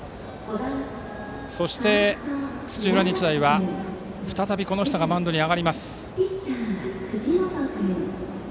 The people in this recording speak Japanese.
そして、土浦日大は再びこの人がマウンドです。